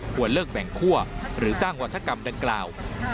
ควรเลิกแบ่งคั่วหรือสร้างวัฒกรรมดังกล่าว